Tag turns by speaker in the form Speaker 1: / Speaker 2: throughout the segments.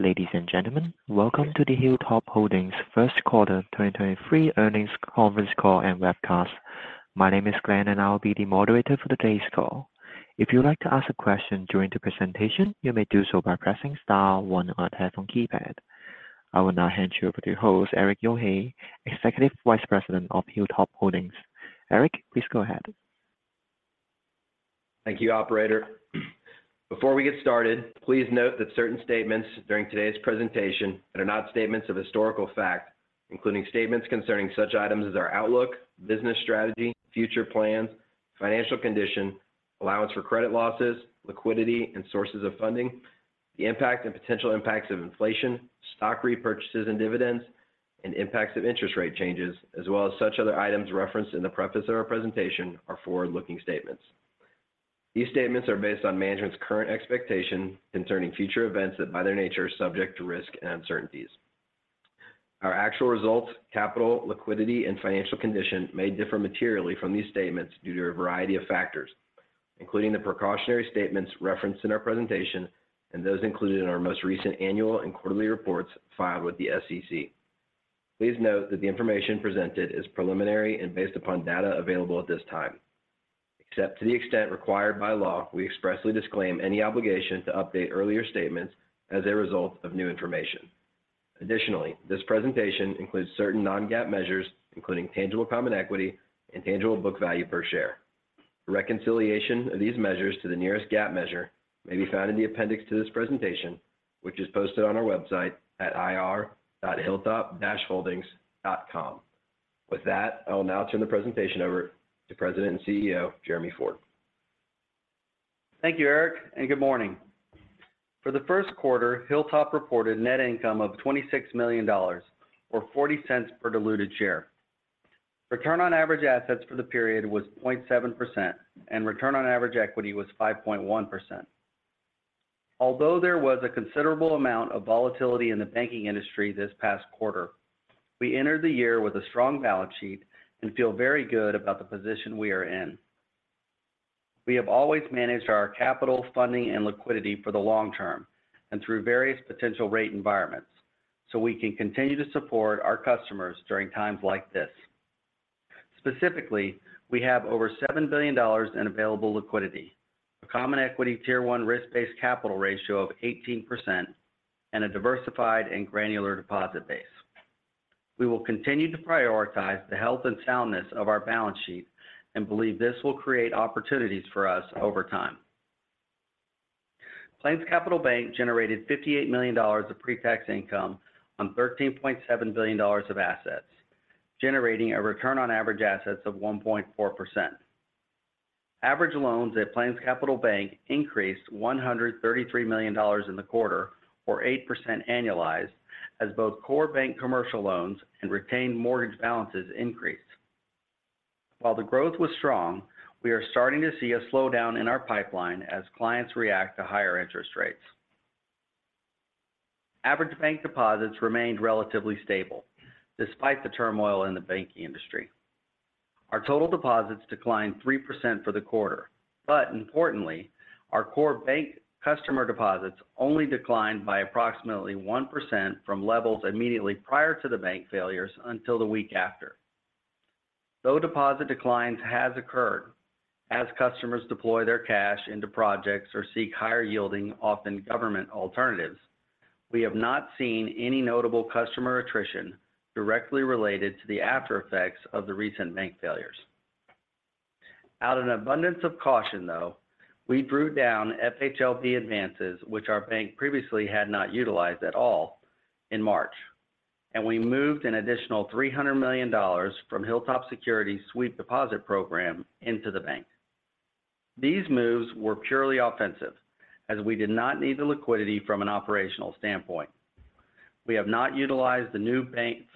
Speaker 1: Ladies and gentlemen, welcome to the Hilltop Holdings first quarter 2023 earnings conference call and webcast. My name is Glenn. I'll be the moderator for today's call. If you'd like to ask a question during the presentation, you may do so by pressing star one on your telephone keypad. I will now hand you over to your host, Erik Yohe, Executive Vice President of Hilltop Holdings. Erik, please go ahead.
Speaker 2: Thank you, operator. Before we get started, please note that certain statements during today's presentation that are not statements of historical fact, including statements concerning such items as our outlook, business strategy, future plans, financial condition, allowance for credit losses, liquidity and sources of funding, the impact and potential impacts of inflation, stock repurchases and dividends, and impacts of interest rate changes, as well as such other items referenced in the preface of our presentation, are forward-looking statements. These statements are based on management's current expectation concerning future events that by their nature are subject to risk and uncertainties. Our actual results, capital, liquidity, and financial condition may differ materially from these statements due to a variety of factors, including the precautionary statements referenced in our presentation and those included in our most recent annual and quarterly reports filed with the SEC. Please note that the information presented is preliminary and based upon data available at this time. Except to the extent required by law, we expressly disclaim any obligation to update earlier statements as a result of new information. Additionally, this presentation includes certain non-GAAP measures, including tangible common equity and tangible book value per share. Reconciliation of these measures to the nearest GAAP measure may be found in the appendix to this presentation, which is posted on our website at ir.hilltop-holdings.com. With that, I will now turn the presentation over to President and CEO, Jeremy Ford.
Speaker 3: Thank you, Erik. Good morning. For the first quarter, Hilltop reported net income of $26 million or $0.40 per diluted share. Return on average assets for the period was 0.7% and return on average equity was 5.1%. Although there was a considerable amount of volatility in the banking industry this past quarter, we entered the year with a strong balance sheet and feel very good about the position we are in. We have always managed our capital funding and liquidity for the long term and through various potential rate environments, so we can continue to support our customers during times like this. Specifically, we have over $7 billion in available liquidity, a Common Equity Tier 1 risk-based capital ratio of 18%, and a diversified and granular deposit base. We will continue to prioritize the health and soundness of our balance sheet and believe this will create opportunities for us over time. PlainsCapital Bank generated $58 million of pre-tax income on $13.7 billion of assets, generating a return on average assets of 1.4%. Average loans at PlainsCapital Bank increased $133 million in the quarter or 8% annualized as both core bank commercial loans and retained mortgage balances increased. The growth was strong, we are starting to see a slowdown in our pipeline as clients react to higher interest rates. Average bank deposits remained relatively stable despite the turmoil in the banking industry. Our total deposits declined 3% for the quarter, importantly, our core bank customer deposits only declined by approximately 1% from levels immediately prior to the bank failures until the week after. Deposit declines has occurred as customers deploy their cash into projects or seek higher yielding, often government alternatives, we have not seen any notable customer attrition directly related to the after effects of the recent bank failures. Out of an abundance of caution, though, we drew down FHLB advances, which our bank previously had not utilized at all in March, and we moved an additional $300 million from Hilltop Securities Sweep Deposit Program into the bank. These moves were purely offensive as we did not need the liquidity from an operational standpoint. We have not utilized the new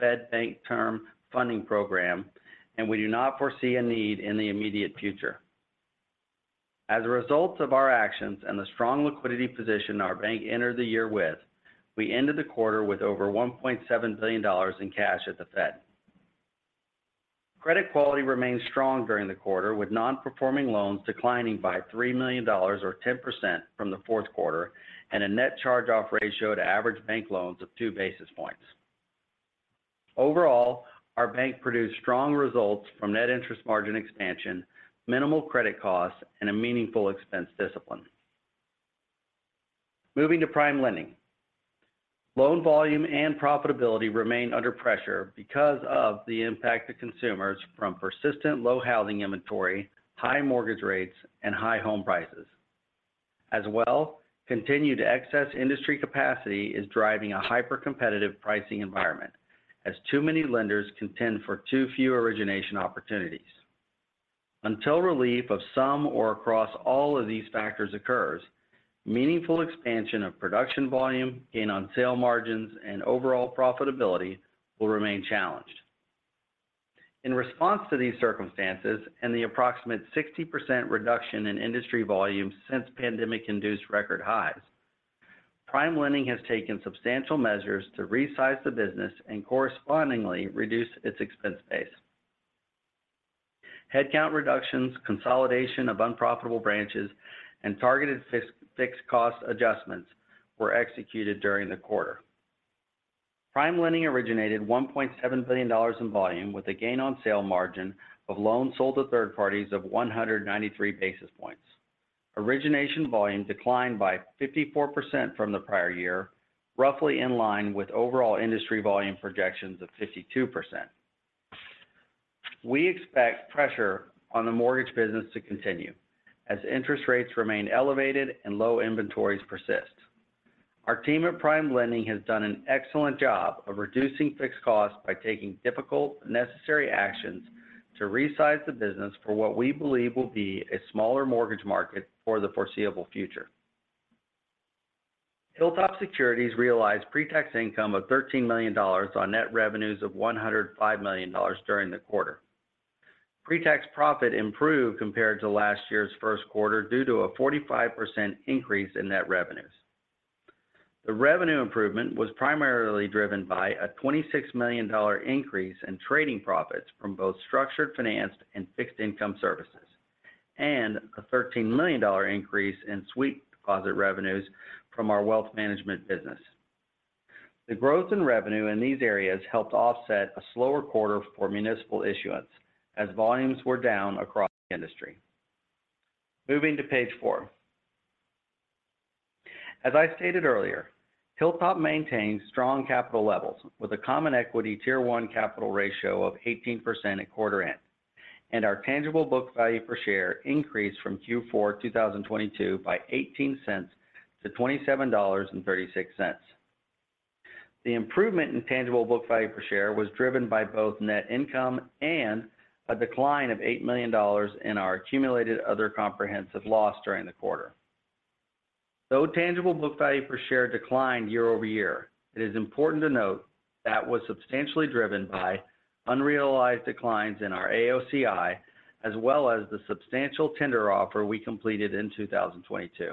Speaker 3: Fed Bank Term Funding Program, and we do not foresee a need in the immediate future. As a result of our actions and the strong liquidity position our bank entered the year with, we ended the quarter with over $1.7 billion in cash at the Fed. Credit quality remained strong during the quarter with Non-Performing Loans declining by $3 million or 10% from the fourth quarter and a net charge-off ratio to average bank loans of 2 basis points. Overall, our bank produced strong results from Net Interest Margin expansion, minimal credit costs, and a meaningful expense discipline. Moving to PrimeLending. Loan volume and profitability remain under pressure because of the impact to consumers from persistent low housing inventory, high mortgage rates, and high home prices. As well, continued excess industry capacity is driving a hyper-competitive pricing environment as too many lenders contend for too few origination opportunities. Until relief of some or across all of these factors occurs, meaningful expansion of production volume, gain on sale margins, and overall profitability will remain challenged. In response to these circumstances and the approximate 60% reduction in industry volume since pandemic-induced record highs, PrimeLending has taken substantial measures to resize the business and correspondingly reduce its expense base. Headcount reductions, consolidation of unprofitable branches, and targeted fixed cost adjustments were executed during the quarter. PrimeLending originated $1.7 billion in volume with a gain on sale margin of loans sold to third parties of 193 basis points. Origination volume declined by 54% from the prior year, roughly in line with overall industry volume projections of 52%. We expect pressure on the mortgage business to continue as interest rates remain elevated and low inventories persist. Our team at PrimeLending has done an excellent job of reducing fixed costs by taking difficult, necessary actions to resize the business for what we believe will be a smaller mortgage market for the foreseeable future. Hilltop Securities realized pretax income of $13 million on net revenues of $105 million during the quarter. Pretax profit improved compared to last year's first quarter due to a 45% increase in net revenues. The revenue improvement was primarily driven by a $26 million increase in trading profits from both structured finance and fixed income services, and a $13 million increase in sweep deposit revenues from our wealth management business. The growth in revenue in these areas helped offset a slower quarter for municipal issuance as volumes were down across the industry. Moving to page four. As I stated earlier, Hilltop maintains strong capital levels with a Common Equity Tier 1 capital ratio of 18% at quarter end. Our tangible book value per share increased from Q4 2022 by $0.18 to $27.36. The improvement in tangible book value per share was driven by both net income and a decline of $8 million in our Accumulated Other Comprehensive Loss during the quarter. Though tangible book value per share declined year-over-year, it is important to note that was substantially driven by unrealized declines in our AOCI, as well as the substantial tender offer we completed in 2022.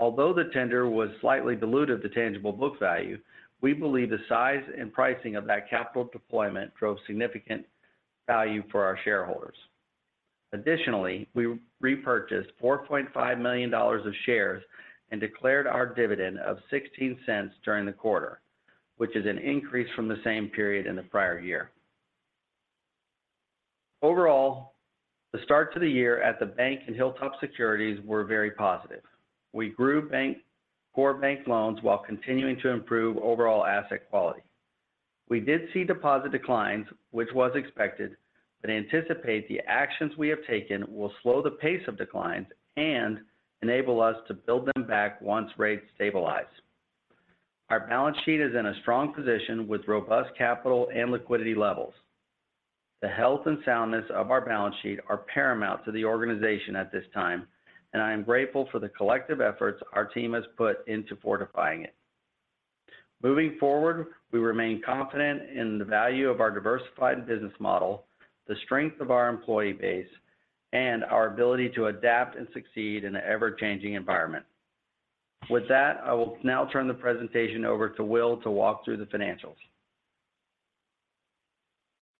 Speaker 3: Although the tender was slightly dilutive to tangible book value, we believe the size and pricing of that capital deployment drove significant value for our shareholders. Additionally, we repurchased $4.5 million of shares and declared our dividend of $0.16 during the quarter, which is an increase from the same period in the prior year. Overall, the start to the year at the bank and Hilltop Securities were very positive. We grew core bank loans while continuing to improve overall asset quality. We did see deposit declines, which was expected. Anticipate the actions we have taken will slow the pace of declines and enable us to build them back once rates stabilize. Our balance sheet is in a strong position with robust capital and liquidity levels. The health and soundness of our balance sheet are paramount to the organization at this time. I am grateful for the collective efforts our team has put into fortifying it. Moving forward, we remain confident in the value of our diversified business model, the strength of our employee base, and our ability to adapt and succeed in an ever-changing environment. With that, I will now turn the presentation over to Will to walk through the financials.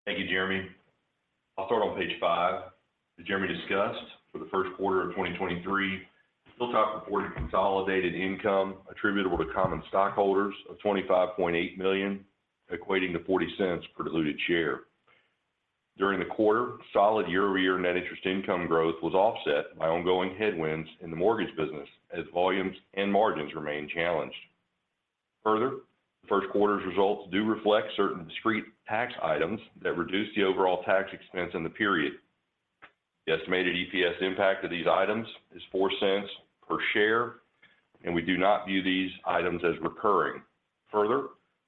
Speaker 4: Thank you, Jeremy. I'll start on page five. As Jeremy discussed, for the first quarter of 2023, Hilltop reported consolidated income attributable to common stockholders of $25.8 million, equating to $0.40 per diluted share. During the quarter, solid year-over-year net interest income growth was offset by ongoing headwinds in the mortgage business as volumes and margins remained challenged. The first quarter's results do reflect certain discrete tax items that reduced the overall tax expense in the period. The estimated EPS impact of these items is $0.04 per share, we do not view these items as recurring.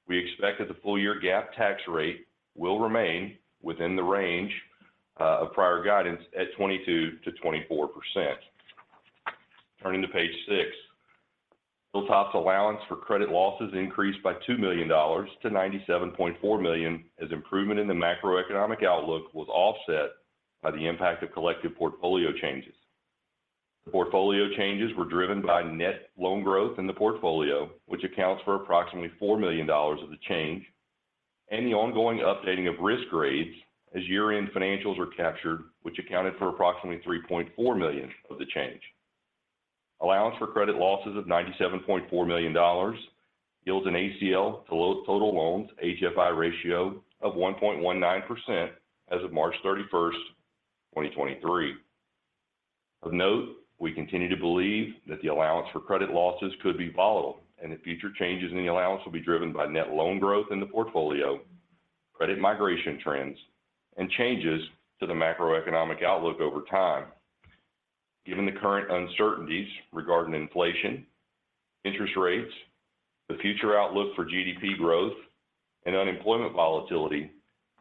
Speaker 4: We expect that the full year GAAP tax rate will remain within the range of prior guidance at 22%-24%. Turning to page six. Hilltop's allowance for credit losses increased by $2 million to $97.4 million as improvement in the macroeconomic outlook was offset by the impact of collective portfolio changes. The portfolio changes were driven by net loan growth in the portfolio, which accounts for approximately $4 million of the change, and the ongoing updating of risk grades as year-end financials were captured, which accounted for approximately $3.4 million of the change. Allowance for credit losses of $97.4 million yields an ACL to low total loans HFI ratio of 1.19% as of March 31st, 2023. Of note, we continue to believe that the allowance for credit losses could be volatile and that future changes in the allowance will be driven by net loan growth in the portfolio, credit migration trends, and changes to the macroeconomic outlook over time. Given the current uncertainties regarding inflation, interest rates, the future outlook for GDP growth, and unemployment volatility,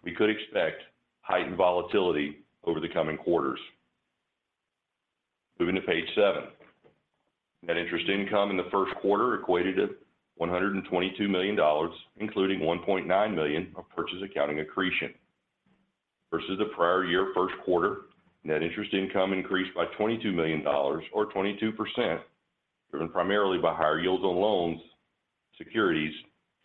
Speaker 4: we could expect heightened volatility over the coming quarters. Moving to page seven. Net interest income in the first quarter equated to $122 million, including $1.9 million of purchase accounting accretion. Versus the prior year first quarter, net interest income increased by $22 million or 22%, driven primarily by higher yields on loans, securities,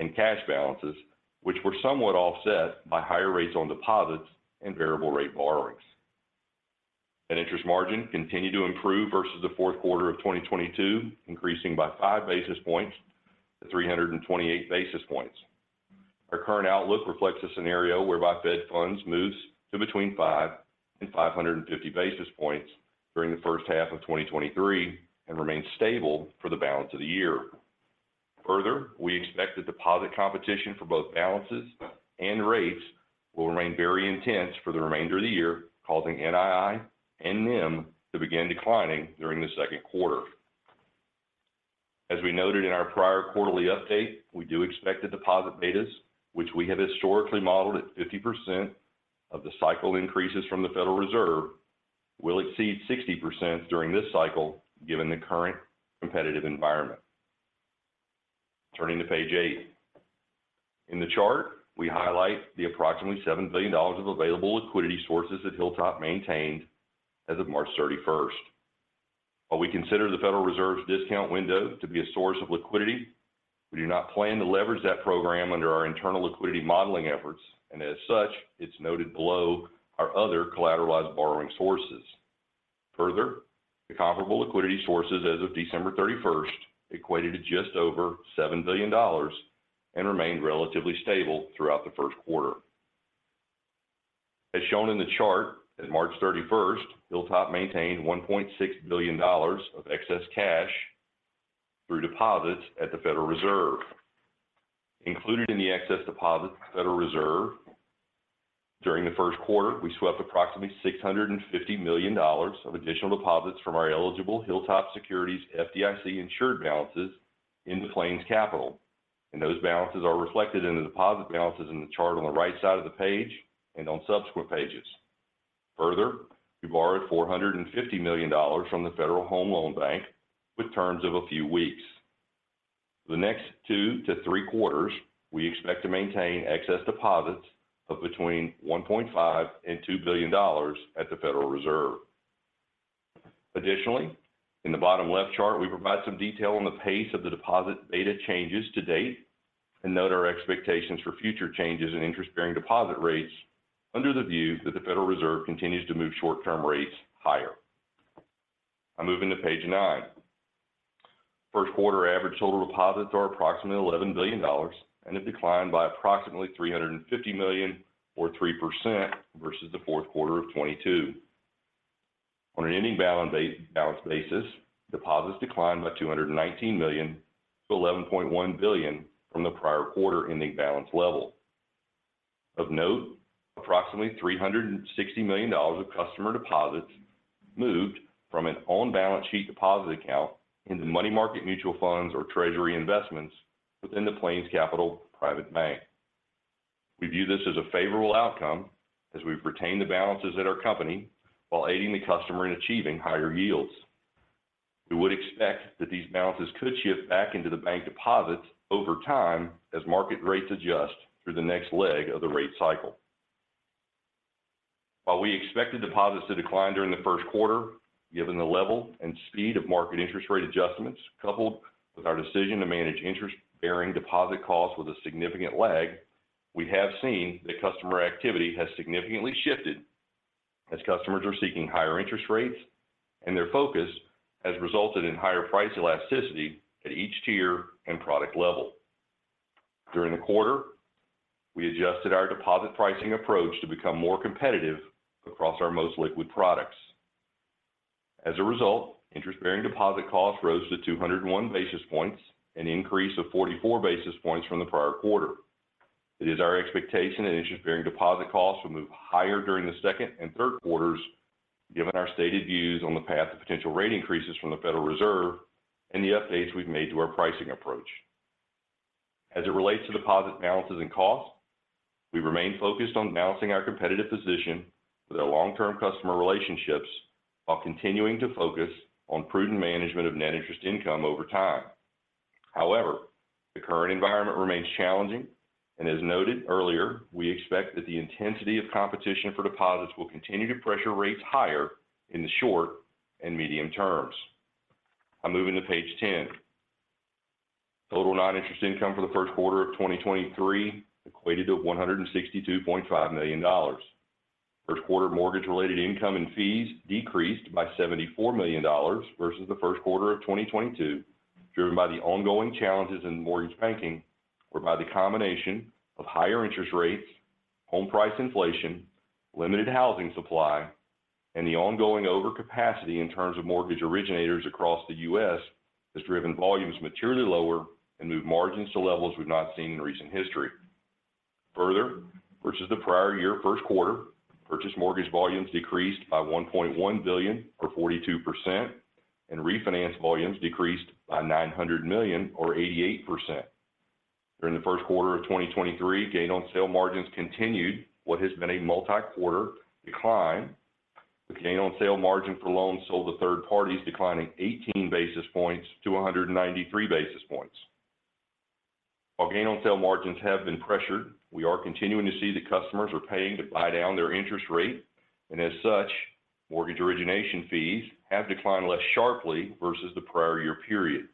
Speaker 4: and cash balances, which were somewhat offset by higher rates on deposits and variable rate borrowings. Net interest margin continued to improve versus the fourth quarter of 2022, increasing by 5 basis points to 328 basis points. Our current outlook reflects a scenario whereby Fed funds moves to between 5 and 550 basis points during the first half of 2023 and remains stable for the balance of the year. We expect the deposit competition for both balances and rates will remain very intense for the remainder of the year, causing NII and NIM to begin declining during the second quarter. As we noted in our prior quarterly update, we do expect the deposit betas, which we have historically modeled at 50% of the cycle increases from the Federal Reserve, will exceed 60% during this cycle given the current competitive environment. Turning to page eight. In the chart, we highlight the approximately $7 billion of available liquidity sources that Hilltop maintained as of March 31st. While we consider the Federal Reserve's discount window to be a source of liquidity, we do not plan to leverage that program under our internal liquidity modeling efforts. As such, it's noted below our other collateralized borrowing sources. Further, the comparable liquidity sources as of December 31st equated to just over $7 billion and remained relatively stable throughout the 1st quarter. As shown in the chart, as of March 31st, Hilltop maintained $1.6 billion of excess cash through deposits at the Federal Reserve. Included in the excess deposits at the Federal Reserve, during the 1st quarter, we swept approximately $650 million of additional deposits from our eligible Hilltop Securities FDIC insured balances into PlainsCapital. Those balances are reflected in the deposit balances in the chart on the right side of the page and on subsequent pages. We borrowed $450 million from the Federal Home Loan Bank with terms of a few weeks. The next two to three quarters, we expect to maintain excess deposits of between $1.5 billion and $2 billion at the Federal Reserve. In the bottom left chart, we provide some detail on the pace of the deposit beta changes to date and note our expectations for future changes in interest-bearing deposit rates under the view that the Federal Reserve continues to move short-term rates higher. I move into page nine. First quarter average total deposits are approximately $11 billion, it declined by approximately $350 million or 3% versus the fourth quarter of 2022. On an ending balance basis, deposits declined by $219 million to $11.1 billion from the prior quarter ending balance level. Of note, approximately $360 million of customer deposits moved from an on-balance sheet deposit account into money market mutual funds or treasury investments within the PlainsCapital Private Bank. We view this as a favorable outcome as we've retained the balances at our company while aiding the customer in achieving higher yields. We would expect that these balances could shift back into the bank deposits over time as market rates adjust through the next leg of the rate cycle. While we expected deposits to decline during the first quarter, given the level and speed of market interest rate adjustments, coupled with our decision to manage interest-bearing deposit costs with a significant lag, we have seen that customer activity has significantly shifted as customers are seeking higher interest rates, and their focus has resulted in higher price elasticity at each tier and product level. During the quarter, we adjusted our deposit pricing approach to become more competitive across our most liquid products. As a result, interest-bearing deposit costs rose to 201 basis points, an increase of 44 basis points from the prior quarter. It is our expectation that interest-bearing deposit costs will move higher during the second and third quarters, given our stated views on the path of potential rate increases from the Federal Reserve and the updates we've made to our pricing approach. As it relates to deposit balances and costs, we remain focused on balancing our competitive position with our long-term customer relationships while continuing to focus on prudent management of Net Interest Income over time. The current environment remains challenging and as noted earlier, we expect that the intensity of competition for deposits will continue to pressure rates higher in the short and medium terms. I move into page 10. Total non-interest income for the first quarter of 2023 equated to $162.5 million. First quarter mortgage-related income and fees decreased by $74 million versus the first quarter of 2022, driven by the ongoing challenges in mortgage banking, whereby the combination of higher interest rates, home price inflation, limited housing supply, and the ongoing overcapacity in terms of mortgage originators across the U.S. has driven volumes materially lower and moved margins to levels we've not seen in recent history. Further, versus the prior year first quarter, purchase mortgage volumes decreased by $1.1 billion or 42%, and refinance volumes decreased by $900 million or 88%. During the first quarter of 2023, gain on sale margins continued what has been a multi-quarter decline, with gain on sale margin for loans sold to third parties declining 18 basis points to 193 basis points. While gain on sale margins have been pressured, we are continuing to see that customers are paying to buy down their interest rate. As such, mortgage origination fees have declined less sharply versus the prior year period.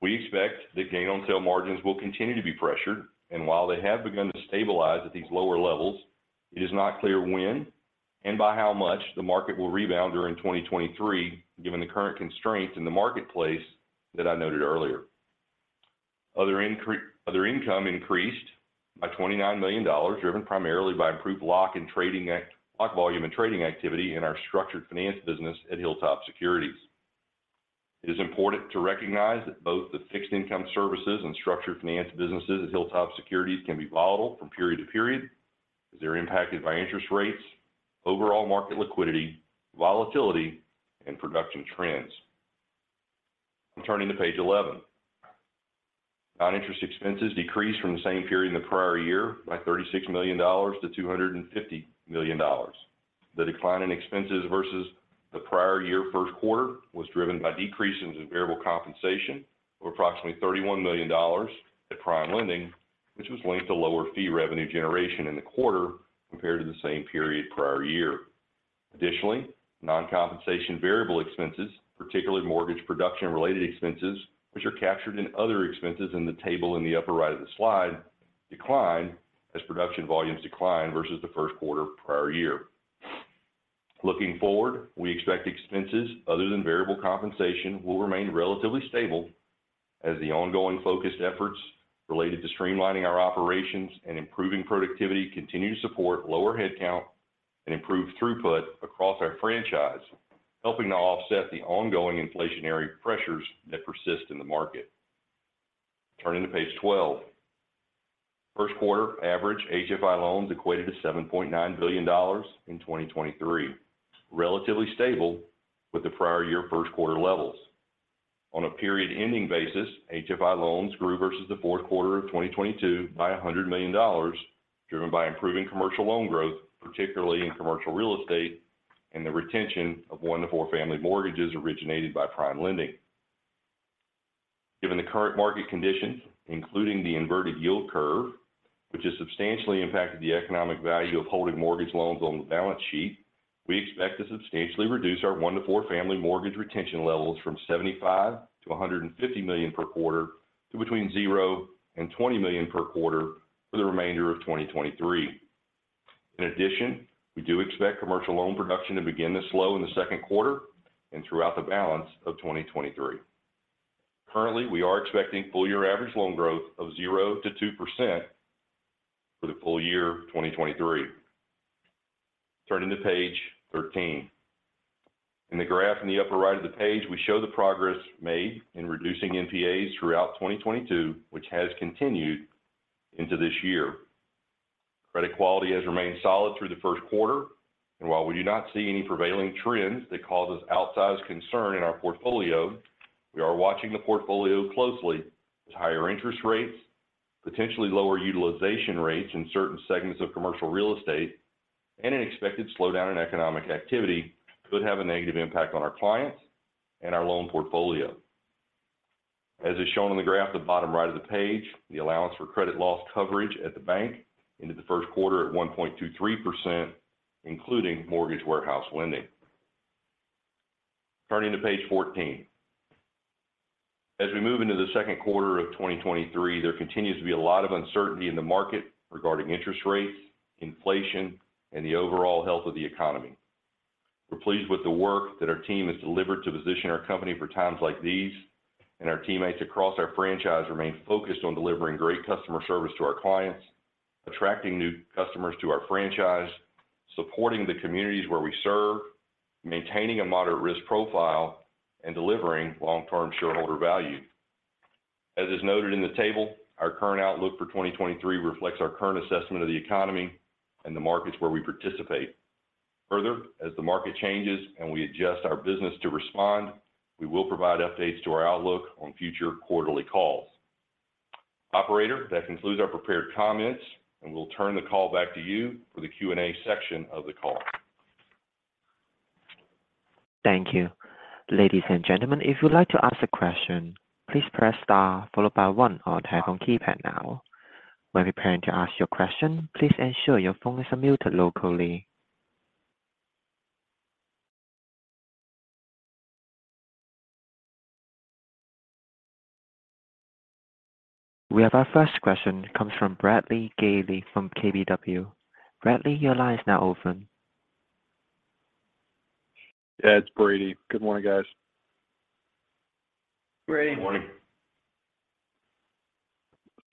Speaker 4: We expect the gain on sale margins will continue to be pressured. While they have begun to stabilize at these lower levels, it is not clear when and by how much the market will rebound during 2023, given the current constraints in the marketplace that I noted earlier. Other income increased by $29 million, driven primarily by improved lock volume and trading activity in our structured finance business at Hilltop Securities. It is important to recognize that both the fixed income services and structured finance businesses at Hilltop Securities can be volatile from period to period as they're impacted by interest rates, overall market liquidity, volatility, and production trends. Turning to page 11. Non-interest expenses decreased from the same period in the prior year by $36 million to $250 million. The decline in expenses versus the prior year first quarter was driven by decreases in variable compensation of approximately $31 million at PrimeLending, which was linked to lower fee revenue generation in the quarter compared to the same period prior year. Additionally, non-compensation variable expenses, particularly mortgage production related expenses, which are captured in other expenses in the table in the upper right of the slide, declined as production volumes declined versus the first quarter prior year. Looking forward, we expect expenses other than variable compensation will remain relatively stable as the ongoing focused efforts related to streamlining our operations and improving productivity continue to support lower headcount and improve throughput across our franchise, helping to offset the ongoing inflationary pressures that persist in the market. Turning to page 12. First quarter average HFI loans equated to $7.9 billion in 2023, relatively stable with the prior year first quarter levels. On a period-ending basis, HFI loans grew versus the fourth quarter of 2022 by $100 million, driven by improving commercial loan growth, particularly in commercial real estate and the retention of 1-4 family mortgages originated by PrimeLending. Given the current market conditions, including the inverted yield curve, which has substantially impacted the economic value of holding mortgage loans on the balance sheet, we expect to substantially reduce our one to four family mortgage retention levels from $75 million-$150 million per quarter to between $0 and $20 million per quarter for the remainder of 2023. We do expect commercial loan production to begin to slow in the second quarter and throughout the balance of 2023. Currently, we are expecting full year average loan growth of 0%-2% for the full year of 2023. Turning to page 13. In the graph in the upper right of the page, we show the progress made in reducing NPAs throughout 2022, which has continued into this year. Credit quality has remained solid through the first quarter, and while we do not see any prevailing trends that cause us outsized concern in our portfolio, we are watching the portfolio closely as higher interest rates, potentially lower utilization rates in certain segments of commercial real estate, and an expected slowdown in economic activity could have a negative impact on our clients and our loan portfolio. As is shown on the graph at the bottom right of the page, the allowance for credit loss coverage at the bank ended the first quarter at 1.23%, including mortgage warehouse lending. Turning to page 14. As we move into the second quarter of 2023, there continues to be a lot of uncertainty in the market regarding interest rates, inflation, and the overall health of the economy. We're pleased with the work that our team has delivered to position our company for times like these, and our teammates across our franchise remain focused on delivering great customer service to our clients, attracting new customers to our franchise, supporting the communities where we serve, maintaining a moderate risk profile, and delivering long-term shareholder value. As is noted in the table, our current outlook for 2023 reflects our current assessment of the economy and the markets where we participate. As the market changes and we adjust our business to respond, we will provide updates to our outlook on future quarterly calls. Operator, that concludes our prepared comments, and we'll turn the call back to you for the Q&A section of the call.
Speaker 1: Thank you. Ladies and gentlemen, if you'd like to ask a question, please press star followed by one on your telephone keypad now. When preparing to ask your question, please ensure your phones are muted locally. We have our first question, comes from Brady Gailey from KBW. Brady, your line is now open.
Speaker 5: Yeah, it's Brady. Good morning, guys.
Speaker 3: Brady.
Speaker 4: Good morning.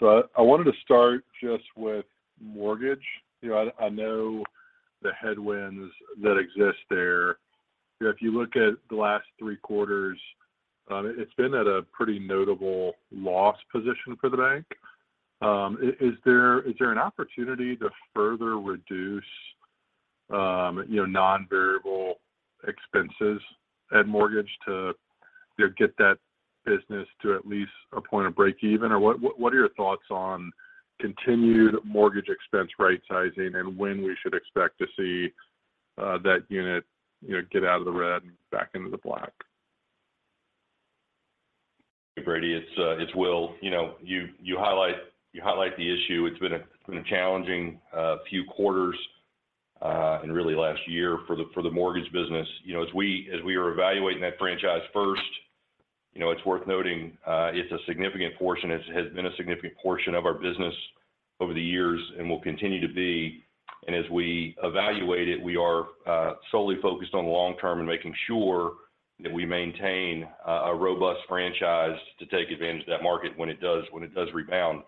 Speaker 5: I wanted to start just with mortgage. You know, I know the headwinds that exist there. You know, if you look at the last three quarters, it's been at a pretty notable loss position for the bank. Is there an opportunity to further reduce, you know, non-variable expenses at mortgage to, you know, get that business to at least a point of breakeven? What are your thoughts on continued mortgage expense rightsizing and when we should expect to see that unit, you know, get out of the red and back into the black?
Speaker 4: Hey, Brady, it's Will. You know, you highlight the issue. It's been a challenging few quarters, and really last year for the mortgage business. You know, as we are evaluating that franchise first, you know, it's worth noting, it's a significant portion. It has been a significant portion of our business over the years and will continue to be. As we evaluate it, we are solely focused on long term and making sure that we maintain a robust franchise to take advantage of that market when it does rebound.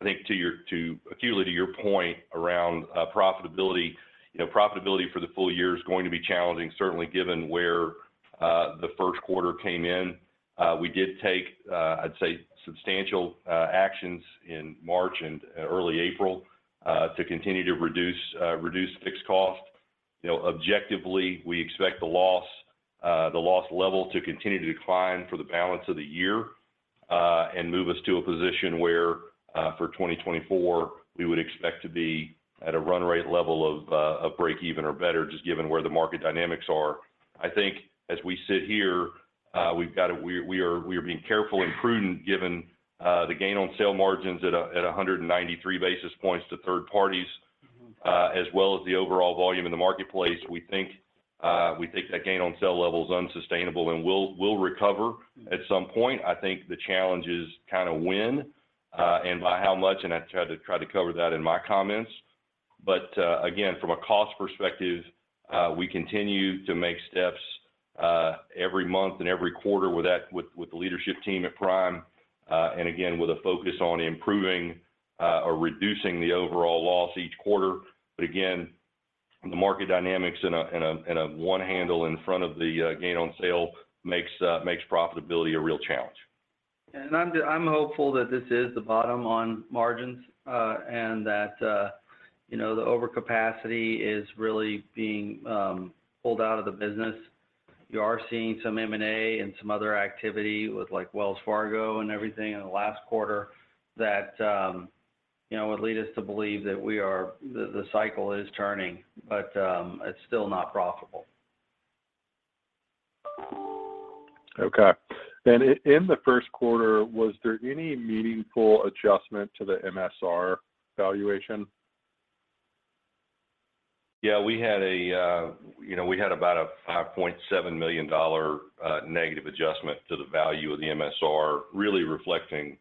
Speaker 4: I think acutely to your point around profitability, you know, profitability for the full year is going to be challenging, certainly given where the first quarter came in. We did take, I'd say substantial actions in March and early April to continue to reduce fixed cost. You know, objectively, we expect the loss, the loss level to continue to decline for the balance of the year and move us to a position where for 2024, we would expect to be at a run rate level of break even or better, just given where the market dynamics are. I think as we sit here, we are being careful and prudent given the gain on sale margins at 193 basis points to third parties, as well as the overall volume in the marketplace. We think that gain on sale level is unsustainable and will recover at some point. I think the challenge is kind of when, and by how much, and I tried to, tried to cover that in my comments. Again, from a cost perspective, we continue to make steps every month and every quarter with the leadership team at Prime, and again, with a focus on improving, or reducing the overall loss each quarter. Again, the market dynamics and a one handle in front of the gain on sale makes profitability a real challenge.
Speaker 3: I'm hopeful that this is the bottom on margins, that, you know, the overcapacity is really being pulled out of the business. You are seeing some M&A and some other activity with like Wells Fargo and everything in the last quarter that, you know, would lead us to believe that we are the cycle is turning, but it's still not profitable.
Speaker 5: Okay. In the first quarter, was there any meaningful adjustment to the MSR valuation?
Speaker 4: We had a, you know, we had about a $5.7 million negative adjustment to the value of the MSR, really reflecting,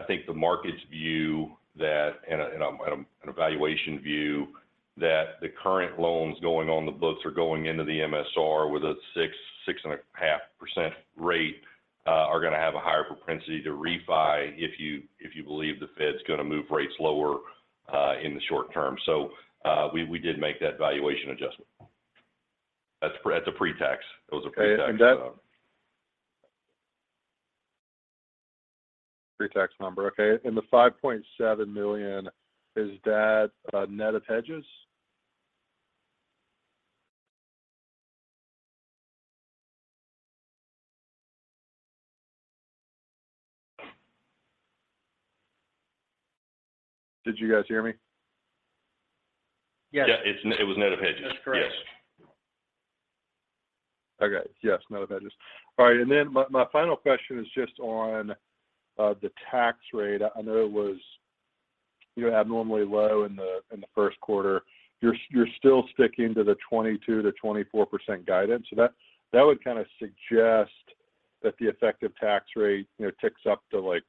Speaker 4: I think the market's view that and a valuation view that the current loans going on the books or going into the MSR with a 6%, 6.5% rate, are going to have a higher propensity to refi if you, if you believe the Fed's going to move rates lower in the short term. We did make that valuation adjustment. That's a pre-tax. It was a pre-tax.
Speaker 5: Okay. Pre-tax number. Okay. The $5.7 million, is that net of hedges? Did you guys hear me?
Speaker 3: Yes.
Speaker 4: Yeah, it was net of hedges.
Speaker 3: That's correct.
Speaker 4: Yes.
Speaker 5: Okay. Yes, net of hedges. All right. My final question is just on the tax rate. I know it was, you know, abnormally low in the first quarter. You're still sticking to the 22%-24% guidance. That would kind of suggest that the effective tax rate, you know, ticks up to like,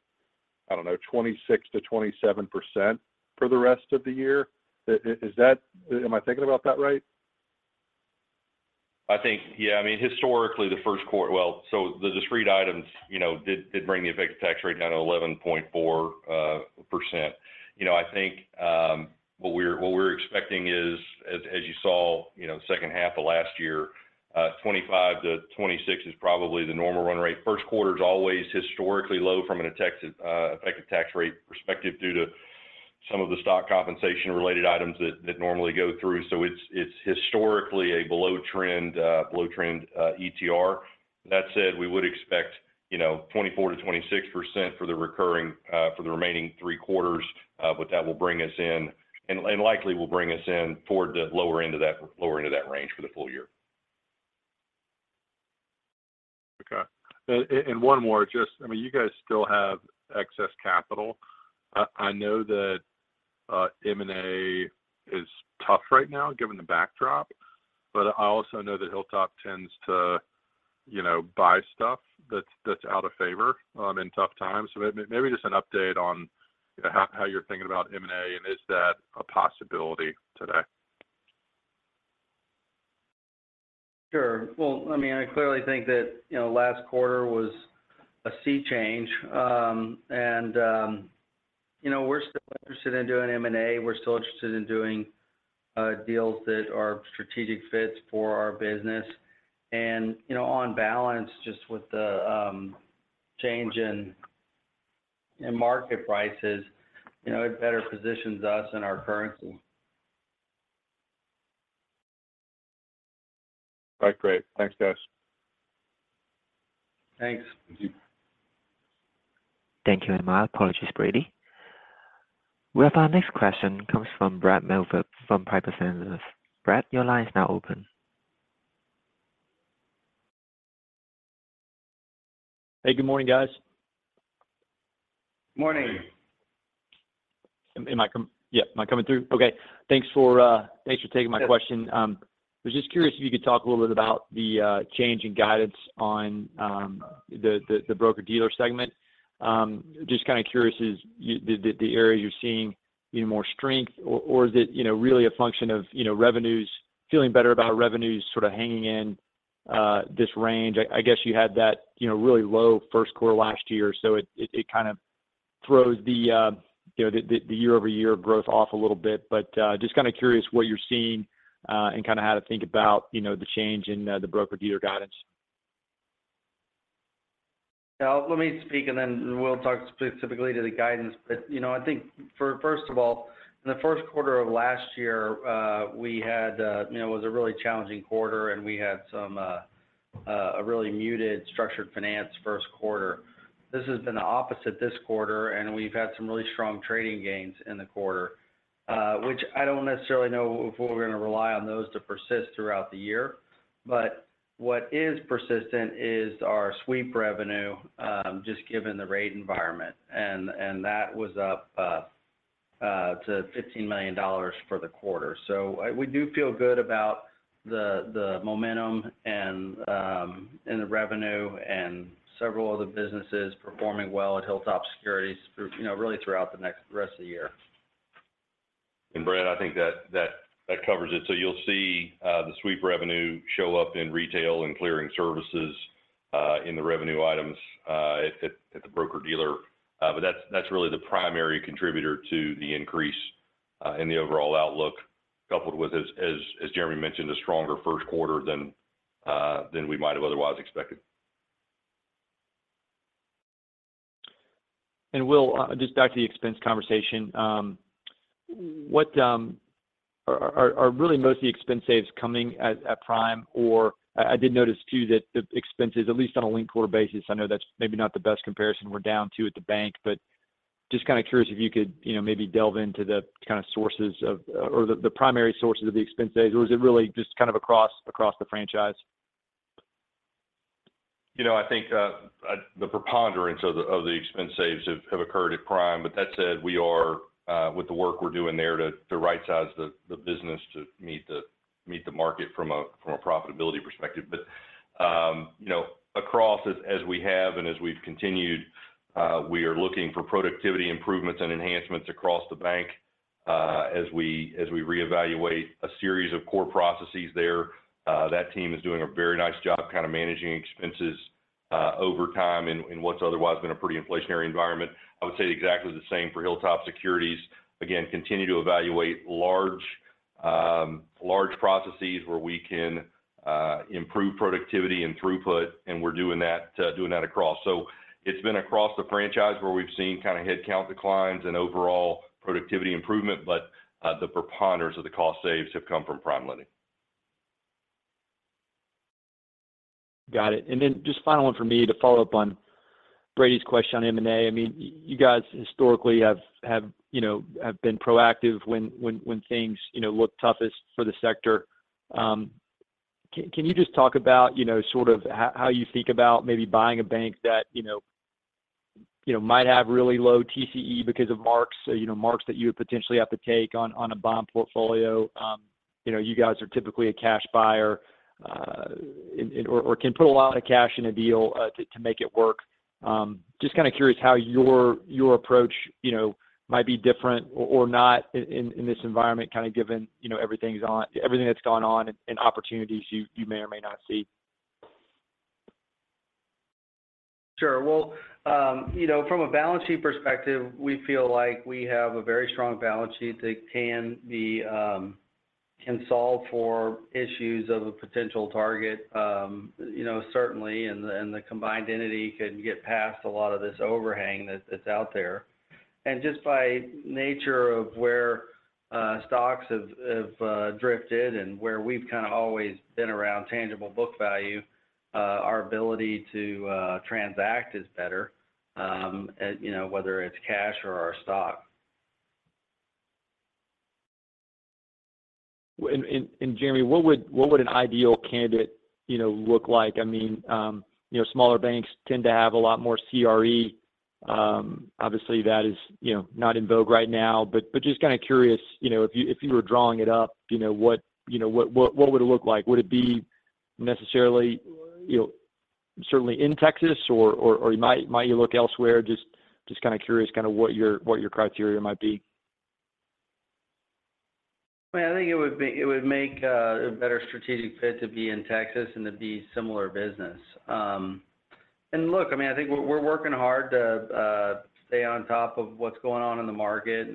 Speaker 5: I don't know, 26%-27% for the rest of the year. Am I thinking about that right?
Speaker 4: I think, yeah, I mean, historically, the first quarter. Well, the discrete items, you know, did bring the effective tax rate down to 11.4%. You know, I think, what we're expecting is as you saw, you know, second half of last year, 25%-26% is probably the normal run rate. First quarter is always historically low from an effective tax rate perspective due to some of the stock compensation related items that normally go through. It's historically a below trend ETR. That said, we would expect, you know, 24%-26% for the recurring for the remaining three quarters. That will bring us in and likely will bring us in toward the lower end of that range for the full year.
Speaker 5: Okay. And one more, just, I mean, you guys still have excess capital. I know that M&A is tough right now given the backdrop, but I also know that Hilltop tends to, you know, buy stuff that's out of favor in tough times. Maybe just an update on how you're thinking about M&A and is that a possibility today?
Speaker 3: Sure. Well, I mean, I clearly think that, you know, last quarter was a sea change. You know, we're still interested in doing M&A. We're still interested in doing deals that are strategic fits for our business. You know, on balance, just with the, change in market prices, you know, it better positions us and our currency.
Speaker 5: All right. Great. Thanks, guys.
Speaker 3: Thanks.
Speaker 4: Thank you.
Speaker 1: Thank you, Emma. Apologies, Brady. We have our next question comes from Brad Mielke from Piper Sandler. Brad, your line is now open.
Speaker 6: Hey, good morning, guys.
Speaker 3: Morning.
Speaker 6: Am I coming through? Okay. Thanks for taking my question. Was just curious if you could talk a little bit about the change in guidance on the broker-dealer segment. Just kinda curious is the areas you're seeing even more strength or is it, you know, really a function of, you know, feeling better about revenues sort of hanging in this range. I guess you had that, you know, really low first quarter last year, so it kind of throws the, you know, year-over-year growth off a little bit. Just kinda curious what you're seeing and kinda how to think about, you know, the change in the broker-dealer guidance.
Speaker 3: Let me speak, and then Will talk specifically to the guidance. You know, I think for first of all, in the first quarter of last year, we had, you know, it was a really challenging quarter, and we had some a really muted structured finance first quarter. This has been the opposite this quarter, and we've had some really strong trading gains in the quarter. I don't necessarily know if we're gonna rely on those to persist throughout the year. What is persistent is our sweep revenue, just given the rate environment, and that was up to $15 million for the quarter. We do feel good about the momentum and the revenue and several other businesses performing well at Hilltop Securities group, you know, really throughout the rest of the year.
Speaker 4: Brad, I think that covers it. You'll see the sweep revenue show up in retail and clearing services in the revenue items at the broker-dealer. That's really the primary contributor to the increase in the overall outlook, coupled with as Jeremy mentioned, a stronger first quarter than we might have otherwise expected.
Speaker 6: Will, just back to the expense conversation. What really most of the expense saves coming at Prime? I did notice too that the expenses, at least on a linked quarter basis, I know that's maybe not the best comparison we're down two at the bank, but just kind of curious if you could, you know, maybe delve into the kind of sources of or the primary sources of the expense saves? Is it really just kind of across the franchise?
Speaker 4: You know, I think the preponderance of the expense saves have occurred at Prime. That said, we are with the work we're doing there to rightsize the business to meet the market from a profitability perspective. You know, across as we have and as we've continued, we are looking for productivity improvements and enhancements across the bank as we reevaluate a series of core processes there. That team is doing a very nice job kind of managing expenses over time in what's otherwise been a pretty inflationary environment. I would say exactly the same for Hilltop Securities. Again, continue to evaluate large processes where we can improve productivity and throughput, and we're doing that across. It's been across the franchise where we've seen kind of head count declines and overall productivity improvement, but the preponderance of the cost saves have come from PrimeLending.
Speaker 6: Got it. Just final one for me to follow up on Brady's question on M&A. I mean, you guys historically have, you know, been proactive when things, you know, look toughest for the sector. Can you just talk about, you know, sort of how you think about maybe buying a bank that, you know, might have really low TCE because of marks, you know, marks that you would potentially have to take on a bond portfolio? You guys are typically a cash buyer, and or can put a lot of cash in a deal to make it work. Just kind of curious how your approach, you know, might be different or not in this environment, kind of given, you know, everything that's gone on and opportunities you may or may not see?
Speaker 3: Sure. Well, you know, from a balance sheet perspective, we feel like we have a very strong balance sheet that can be, can solve for issues of a potential target, you know, certainly, and the combined entity can get past a lot of this overhang that's out there. Just by nature of where stocks have drifted and where we've kind of always been around tangible book value, our ability to transact is better, you know, whether it's cash or our stock.
Speaker 6: Jeremy, what would an ideal candidate, you know, look like? I mean, you know, smaller banks tend to have a lot more CRE. Obviously that is, you know, not in vogue right now, but just kind of curious, you know, if you, if you were drawing it up, you know, what would it look like? Would it be necessarily, you know, certainly in Texas or might you look elsewhere? Just kind of curious what your criteria might be. I mean, I think it would make a better strategic fit to be in Texas and to be similar business. look, I mean, I think we're working hard to stay on top of what's going on in the market.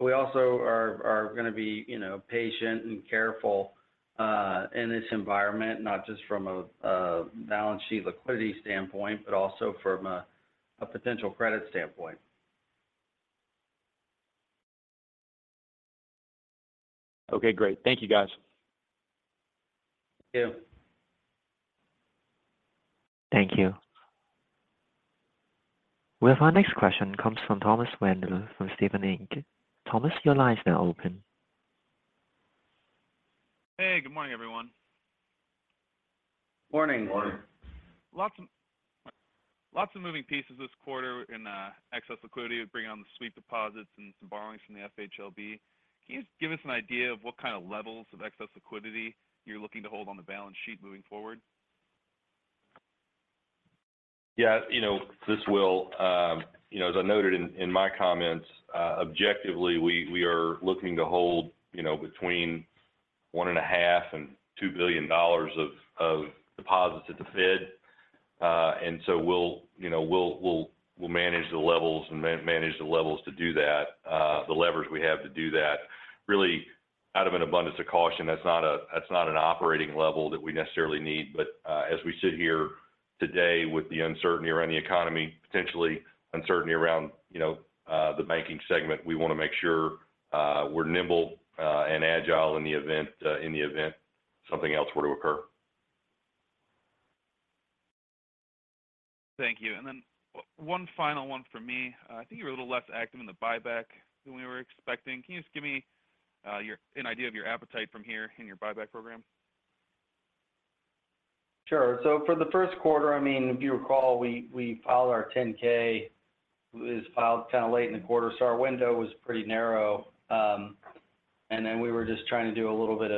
Speaker 6: we also are gonna be, you know, patient and careful in this environment, not just from a balance sheet liquidity standpoint, but also from a potential credit standpoint. Okay, great. Thank you, guys.
Speaker 3: Thank you.
Speaker 1: Thank you. We have our next question comes from Thomas Wendler from Stephens Inc.. Thomas, your line is now open.
Speaker 7: Hey, good morning, everyone.
Speaker 3: Morning.
Speaker 4: Morning.
Speaker 7: Lots of moving pieces this quarter in excess liquidity. Bring on the sweep deposits and some borrowings from the FHLB. Can you give us an idea of what kind of levels of excess liquidity you're looking to hold on the balance sheet moving forward?
Speaker 4: Yeah. You know, this will, you know, as I noted in my comments, objectively we are looking to hold, you know, between one and a half and $2 billion of deposits at the Fed. We'll, you know, we'll manage the levels and manage the levels to do that, the levers we have to do that really out of an abundance of caution. That's not an operating level that we necessarily need. As we sit here today with the uncertainty around the economy, potentially uncertainty around, you know, the banking segment, we want to make sure, we're nimble, and agile in the event something else were to occur.
Speaker 7: Thank you. One final one for me. I think you were a little less active in the buyback than we were expecting. Can you just give me an idea of your appetite from here in your buyback program?
Speaker 3: Sure. For the first quarter, I mean, if you recall, we filed our 10-K. It was filed kind of late in the quarter, our window was pretty narrow. We were just trying to do a little bit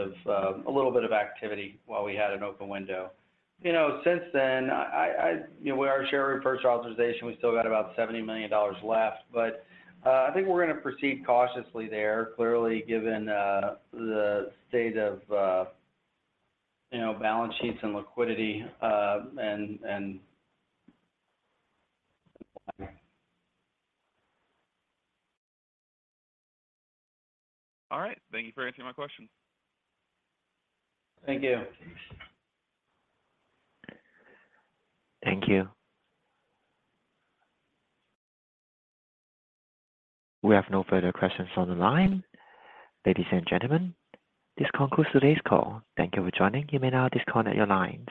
Speaker 3: of activity while we had an open window. You know, since then, I, you know, with our share repurchase authorization, we still got about $70 million left. I think we're going to proceed cautiously there, clearly, given the state of, you know, balance sheets and liquidity, and.
Speaker 7: All right. Thank you for answering my question.
Speaker 3: Thank you.
Speaker 1: Thank you. We have no further questions on the line. Ladies and gentlemen, this concludes today's call. Thank you for joining. You may now disconnect your lines.